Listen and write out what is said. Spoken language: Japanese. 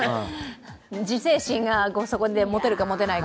自制心がそこで持てるか、持てないか。